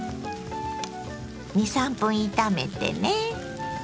２３分炒めてね。